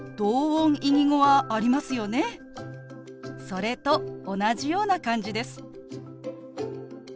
それと同じような感じです。